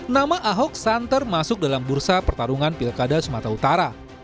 nama ahok santer masuk dalam bursa pertarungan pilkada sumatera utara